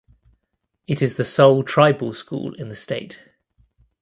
It is the sole tribal school in the state.